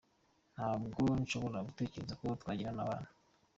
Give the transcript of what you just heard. Ntabwo nshobora gutegereza ko twagirana abana.